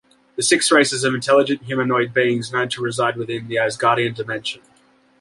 The six races of intelligent humanoid beings known to reside within the Asgardian dimension.